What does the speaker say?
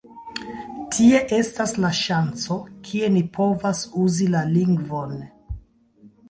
Tie estas la ŝanco, kie ni povas uzi la lingvon.